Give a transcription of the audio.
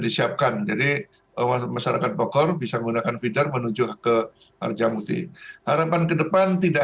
disiapkan jadi masyarakat bogor bisa menggunakan feeder menuju ke harjamukti harapan kedepan tidak